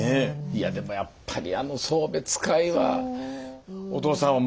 いやでもやっぱりあの送別会は。